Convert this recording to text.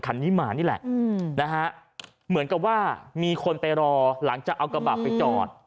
คันนี้มานี่แหละนะฮะเหมือนกับว่ามีคนไปรอหลังจากเอากระบะไปจอด